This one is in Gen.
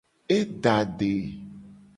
E da ade.